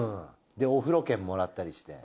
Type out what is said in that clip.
お風呂券もらったりして。